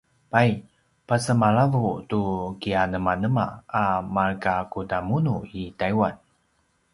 pay pasemalavu tu kianemanema a markakudamunu i taiwan?